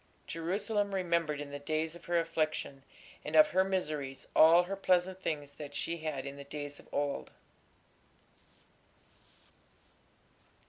Jerusalem remembered in the days of her affliction and of her miseries all her pleasant things that she had in the days of old....